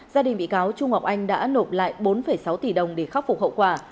gia đình bị cáo trung ngọc anh đã nộp lại bốn sáu tỷ đồng để khắc phục hậu quả